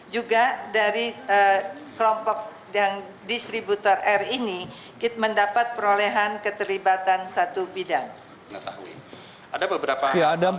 juga dari kelompok dan distributor r ini kita mendapat perolehan keterlibatan satu bidang